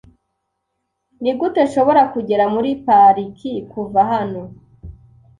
Nigute nshobora kugera muri pariki kuva hano?